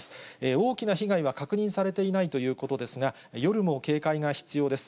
大きな被害は確認されていないということですが、夜も警戒が必要です。